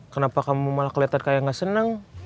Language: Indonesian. kenapa kamu malah keliatan kayak gak seneng